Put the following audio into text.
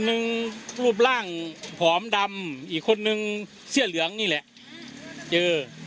รูปร่างผอมดำอีกคนนึงเสื้อเหลืองนี่แหละเจอ